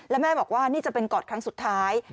แล้วแม่บอกว่านี่จะเป็นกอดครั้งสุดท้าย